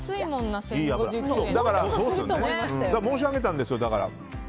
だから申し上げたんですよ。